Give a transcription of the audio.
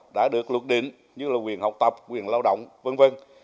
đã được luật định như là quyền học tập quyền lao động vân vân